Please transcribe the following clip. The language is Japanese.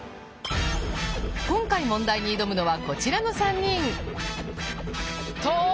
今回問題に挑むのはこちらの３人。